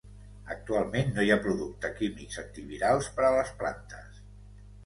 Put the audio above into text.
Actualment no hi ha producte químics antivirals per a les plantes.